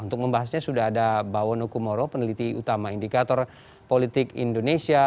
untuk membahasnya sudah ada bawono kumoro peneliti utama indikator politik indonesia